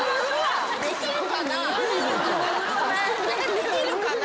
できるかな？